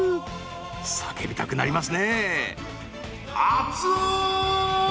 叫びたくなりますね。